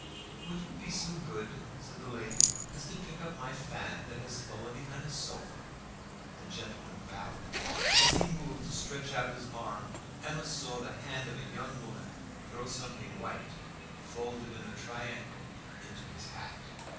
"Would you be so good," said the lady, "as to pick up my fan that has fallen behind the sofa?" The gentleman bowed, and as he moved to stretch out his arm, Emma saw the hand of a young woman throw something white, folded in a triangle, into his hat.